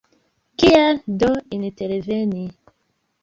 Kial do interveni?